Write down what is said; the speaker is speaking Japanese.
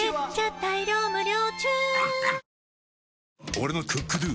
俺の「ＣｏｏｋＤｏ」！